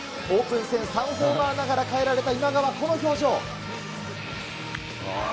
オープン戦３ホーマーながらかえられた今川、この表情。